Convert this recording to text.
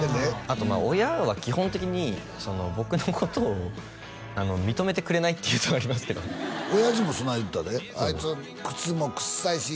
あとまあ親は基本的に僕のことを認めてくれないっていうのありますけど親父もそない言うてたで「あいつ靴も臭いし」